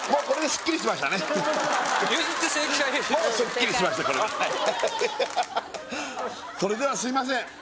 これはそれではすいません